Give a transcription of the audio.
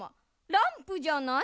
ランプじゃない。